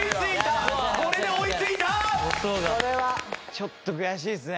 ちょっと悔しいですね